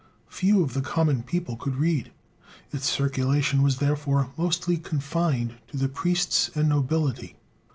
Few of the common people could read, its circulation was therefore mostly confined to the priests and nobility.